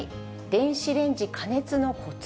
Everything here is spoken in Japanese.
電子レンジ加熱のコツ。